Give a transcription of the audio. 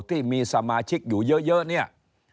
ที่มีสมาชิกอยู่เยอะเนี่ย